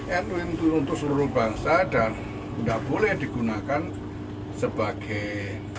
jadi nu ini untuk seluruh bangsa dan tidak boleh digunakan sebagai